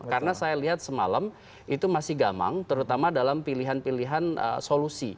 karena saya lihat semalam itu masih gamang terutama dalam pilihan pilihan solusi